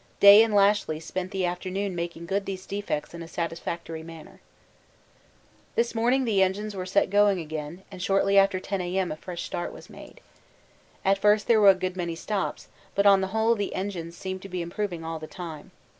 Day and Lashly spent the afternoon making good these defects in a satisfactory manner. This morning the engines were set going again, and shortly after 10 A.M. a fresh start was made. At first there were a good many stops, but on the whole the engines seemed to be improving all the time.